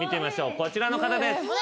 こちらの方です。